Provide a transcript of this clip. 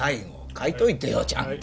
書いといてよちゃんと。